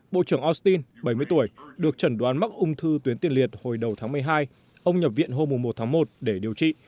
bộ trưởng austin bảy mươi tuổi được chẩn đoán mắc ung thư tuyến tiền liệt hồi đầu tháng một mươi hai ông nhập viện hôm một tháng một để điều trị